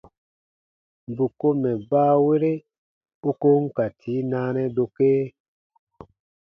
Bù ko mɛ̀ baawere u ko n ka tii naanɛ dokee.